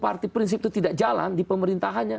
parti prinsip itu tidak jalan di pemerintahannya